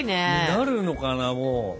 なるのかなもう。